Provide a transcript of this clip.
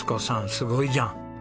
すごいじゃん。